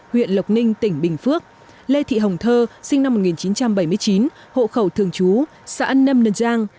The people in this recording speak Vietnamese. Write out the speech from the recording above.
huyện lộc ninh tỉnh bình phước lê thị hồng thơ sinh năm một nghìn chín trăm bảy mươi chín hộ khẩu thường trú xã nâm nân giang